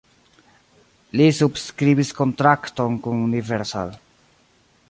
Li subskribis kontrakton kun Universal.